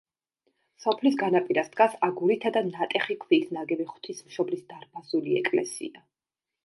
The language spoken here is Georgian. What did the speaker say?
სოფლის განაპირას დგას აგურითა და ნატეხი ქვით ნაგები ღვთისმშობლის დარბაზული ეკლესია.